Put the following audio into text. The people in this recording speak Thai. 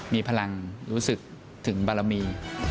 มีพลังรู้สึกถึงบารมี